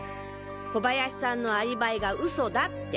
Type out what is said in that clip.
小林さんのアリバイが嘘だって。